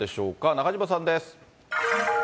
中島さんです。